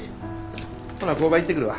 ほな工場行ってくるわ。